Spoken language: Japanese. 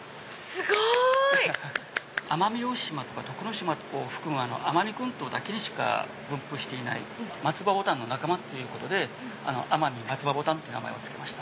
すごい！奄美大島とか徳之島を含む奄美群島だけにしか分布してないマツバボタンの仲間ってことでアマミマツバボタンって名前を付けました。